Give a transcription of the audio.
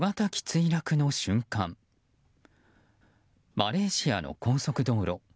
マレーシアの高速道路。